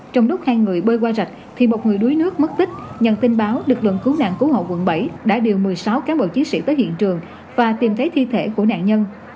trong lúc hai người bơi qua rạch thì một người đuối nước mất tích nhận tin báo lực lượng cứu nạn cứu hộ quận bảy đã điều một mươi sáu cán bộ chiến sĩ tới hiện trường và tìm thấy thi thể của nạn nhân